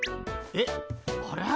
えっあれ？